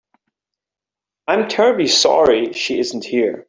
I'm terribly sorry she isn't here.